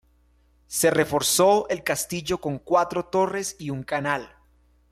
Se reforzó el castillo con cuatro torres y un canal.